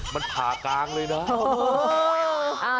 มันผ่ากลางเลยนะ